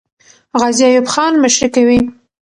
غازي ایوب خان مشري کوي.